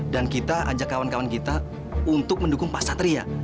dan kita ajak kawan kawan kita untuk mendukung pak satria